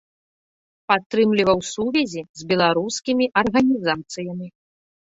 Падтрымліваў сувязі з беларускімі арганізацыямі.